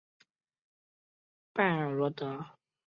拜尔罗德是德国萨克森州的一个市镇。